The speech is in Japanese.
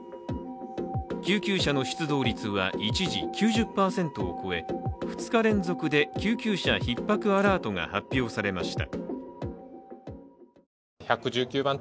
救急車の出動率は一時９０％を超え昨日に続き、２日連続で救急車ひっ迫アラートが発表されました。